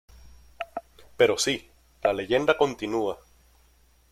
Pero sí, la leyenda continúa...